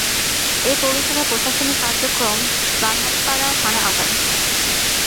এ পৌরসভার প্রশাসনিক কার্যক্রম বানারীপাড়া থানার আওতাধীন।